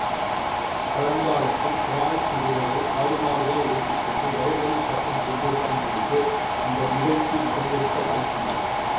பழங்காலத்தில் கிராமச் சிறுவர்கள் ஆடுமாடுகளை ஒட்டிக்கொண்டு வயற்வெளிப் பக்கம் சென்றிருக்கும் பொழுது, இந்த நிகழ்ச்சி நடந்திருக்க வாய்ப்புண்டு.